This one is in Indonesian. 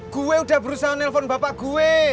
gue udah berusahaailsepon bapak gue